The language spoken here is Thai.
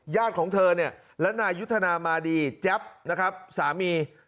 ญาติของเธอและนายยุฒนามาดีแจ๊บนะครับสามี